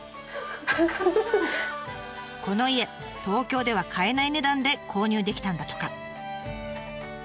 この家東京では買えない値段で購入できたんだとか。